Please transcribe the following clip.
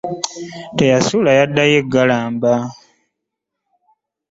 Teyasula yaddayo e Galamba.